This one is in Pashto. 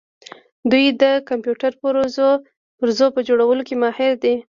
دوی د کمپیوټر پرزو په جوړولو کې ماهر دي.